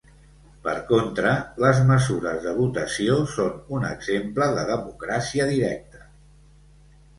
Per contra, les mesures de votació són un exemple de democràcia directa.